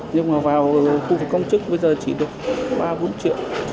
nhưng mà vào khu vực công chức bây giờ chỉ được ba bốn triệu